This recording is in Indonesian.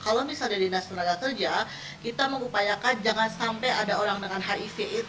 kalau misalnya dinas tenaga kerja kita mengupayakan jangan sampai ada orang dengan hiv